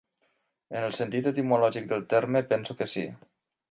En el sentit etimològic del terme, penso que sí.